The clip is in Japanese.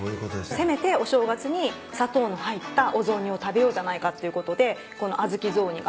せめてお正月に砂糖の入ったお雑煮を食べようじゃないかっていうことでこの小豆雑煮が。